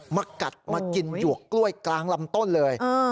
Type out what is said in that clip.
มากัดมากินหยวกกล้วยกลางลำต้นเลย